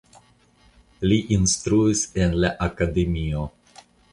Li instruis en la akademio.